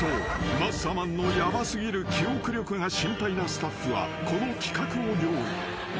マッサマンのヤバ過ぎる記憶力が心配なスタッフはこの企画を用意］